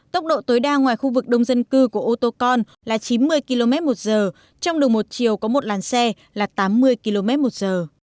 tốc độ tối đa ngoài khu vực đông dân cư của ô tô con là chín mươi km một giờ trong đường một chiều có một làn xe là tám mươi km một giờ